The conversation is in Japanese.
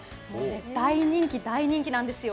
大人気、大人気なんですよ。